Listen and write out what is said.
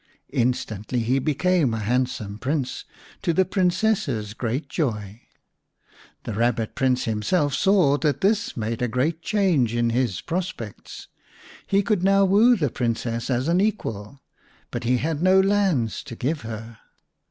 Instantly he became a handsome Prince, to the Princess's great joy. The Kabbit Prince 47 The Rabbit Prince v himself saw that this made a great change in his prospects. He could now woo the Princess as an equal, but he had no lands to give her.